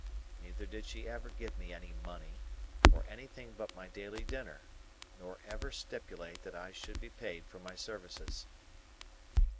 Neither did she ever give me any money,—or anything but my daily dinner,—nor ever stipulate that I should be paid for my services.